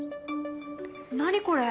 何これ？